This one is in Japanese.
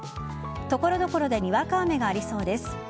所々でにわか雨がありそうです。